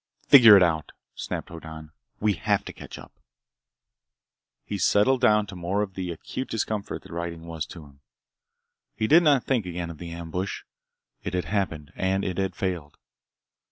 "Figure it out," snapped Hoddan. "We have to catch up!" He settled down to more of the acute discomfort that riding was to him. He did not think again of the ambush. It had happened, and it had failed.